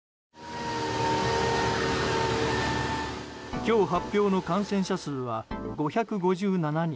今日、発表の感染者数は５５７人。